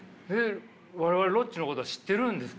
我々ロッチのことは知ってるんですか？